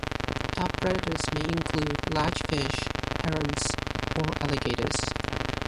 Top predators may include large fish, herons, or alligators.